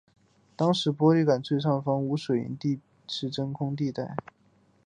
这时玻璃管最上方无水银地带是真空状态。